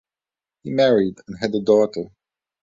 He married and had a daughter.